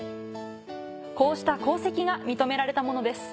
こうした功績が認められたものです。